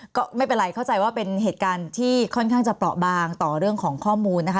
ก็ไม่เป็นไรเข้าใจว่าเป็นเหตุการณ์ที่ค่อนข้างจะเปราะบางต่อเรื่องของข้อมูลนะคะ